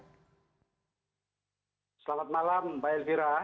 selamat malam pak elvira